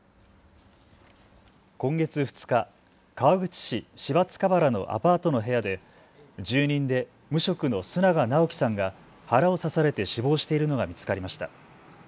今月２日、川口市芝塚原のアパートの部屋で住人で無職の須永尚樹さんが腹を刺されて死亡しているのが見つかりました。